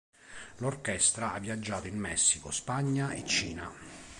L'orchestra ha viaggiato in Messico, Spagna e Cina.